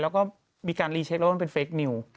แล้วก็มีการรีเช็คแล้วว่ามันเป็นเฟคนิว